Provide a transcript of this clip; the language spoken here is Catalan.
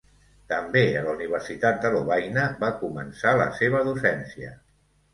També a la universitat de Lovaina va començar la seva docència.